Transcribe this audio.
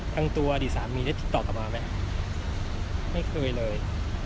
ทางตัวอดีตสามีได้ติดต่อกลับมาไหมไม่เคยเลย